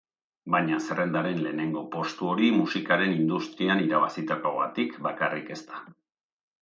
Baina zerrendaren lehenengo postu hori musikaren industrian irabazitakoagatik bakarrik ez da.